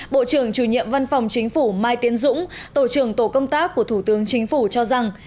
bộ trưởng chủ nhiệm văn phòng chính phủ mai tiến dũng tổ trưởng tổ công tác của thủ tướng chính phủ cho rằng